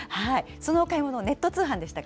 そのお買い物、ネット通販でしたか？